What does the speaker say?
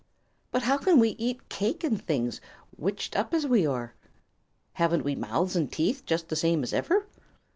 "But how can we eat cake and things, witched up as we are?" "Haven't we mouths and teeth, just the same as ever?"